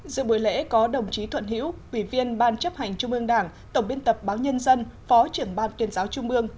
giữa buổi lễ có đồng chí thuận hiễu quỷ viên ban chấp hành trung ương đảng tổng biên tập báo nhân dân phó trưởng ban tuyên giáo trung ương